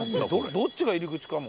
どっちが入り口かも。